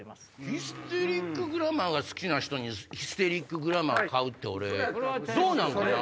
ヒステリックグラマーが好きな人にヒステリックグラマー買うってどうなんかな？